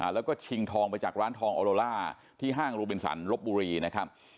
แล้วก็ชิงทองไปจากร้านทองออโลล่าที่ห้างโรบินสันลบบุรีนะครับ